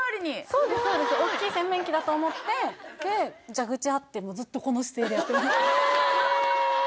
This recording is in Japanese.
そうです大きい洗面器だと思ってで蛇口あってもうずっとこの姿勢でやって・え！？